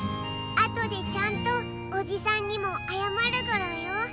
あとでちゃんとおじさんにもあやまるゴロよ。